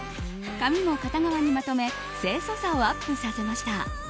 髪も片側にまとめ清楚さをアップさせました。